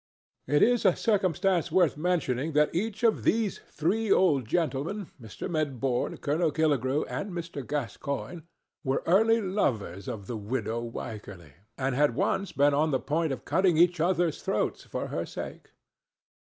It is a circumstance worth mentioning that each of these three old gentlemen—Mr. Medbourne, Colonel Killigrew and Mr. Gascoigne—were early lovers of the widow Wycherly, and had once been on the point of cutting each other's throats for her sake.